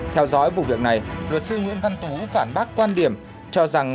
theo dõi vụ việc này luật sư nguyễn văn tố phản bác quan điểm cho rằng